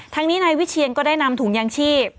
ทั้งนี้นายวิเชียนก็ได้นำถุงยางชีพ